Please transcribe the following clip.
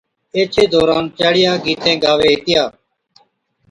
ايڇَي دوران چاڙِيا گيتين گاوي ھِتِيا